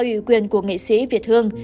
ủy quyền của nghệ sĩ việt hương